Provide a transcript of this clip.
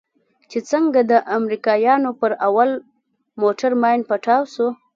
چې څنگه د امريکانو پر اول موټر ماين پټاو سو.